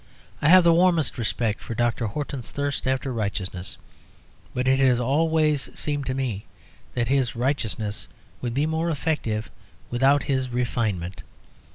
I have the warmest respect for Dr. Horton's thirst after righteousness; but it has always seemed to me that his righteousness would be more effective without his refinement.